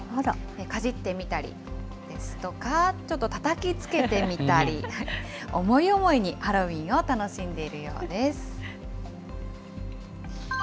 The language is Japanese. かじってみたりですとか、ちょっとたたきつけてみたり、思い思いにハロウィーンを楽しんでいるようです。